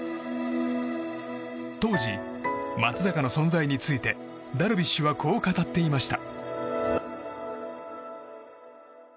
当時、松坂の存在についてダルビッシュはこう語っていました。